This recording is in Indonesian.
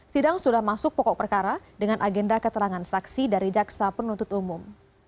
sidang sudah masuk pokok perkara dengan agenda keterangan saksi dari jaksa penuntut umum